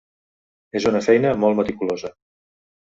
És una feina molt meticulosa.